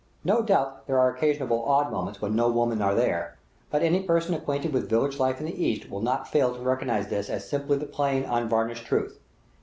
No doubt there are occasional odd moments when no women are there, but any person acquainted with village life in the East will not fail to recognize this as simply the plain, unvarnished truth.